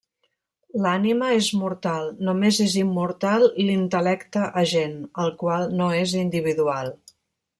L'Ànima és mortal, només és immortal l'Intel·lecte Agent, el qual no és individual.